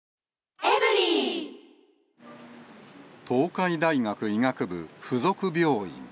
東海大学医学部付属病院。